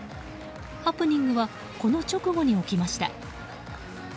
ハプニングはこの直後に起きました。